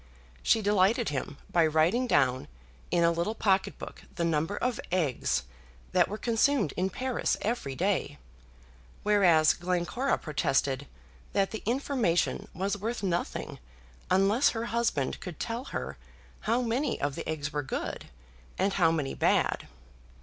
She delighted him by writing down in a little pocket book the number of eggs that were consumed in Paris every day, whereas Glencora protested that the information was worth nothing unless her husband could tell her how many of the eggs were good, and how many bad.